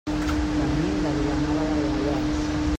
Venim de Vilanova del Vallès.